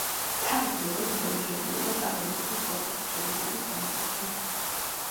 თავის დროზე თედორე შედიოდა ტაგანროგის პორტის მშენებლობის კომისიაში.